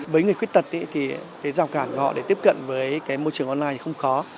với người khuyết tật thì rào cản họ để tiếp cận với môi trường online không khó